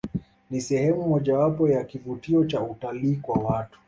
Ni sehemu mojawapo ya kivutio Cha utalii kwa watu